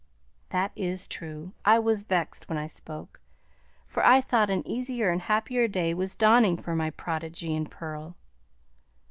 "That is true; I was vexed when I spoke, for I thought an easier and happier day was dawning for my prodigy and pearl."